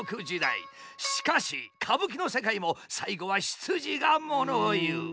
しかし歌舞伎の世界も最後は出自が物を言う。